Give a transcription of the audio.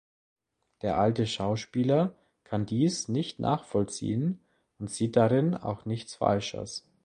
Der alte Schauspieler kann dies nicht nachvollziehen und sieht darin auch nichts Falsches.